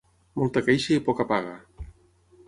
Molta queixa i poca paga.